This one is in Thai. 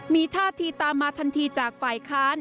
มีท่าทีตามมาทันทีจากฝ่ายค้าน